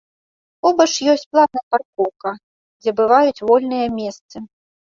Побач ёсць платная паркоўка, дзе бываюць вольныя месцы.